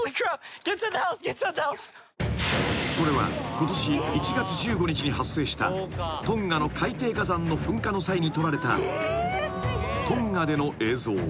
［これはことし１月１５日に発生したトンガの海底火山の噴火の際に撮られたトンガでの映像］